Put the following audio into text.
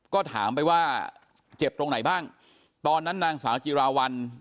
ก็ถามไปว่าเจ็บตรงไหนบ้างตอนนั้นนางสาวจิราวัล